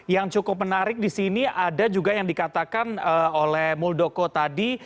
yang cukup menarik di sini ada juga yang dikatakan oleh muldoko tadi